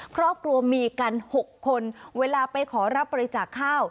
ครอบครัวมีกัน๖คนเวลาไปขอรับบริจาคข้าว